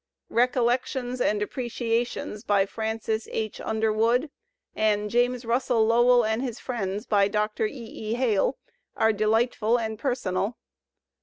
"Recollections and Appreciations" by Francis H. Under wood and "James Russell Lowell and His Friends" by Dr. £. E. Hale are delightful and personal.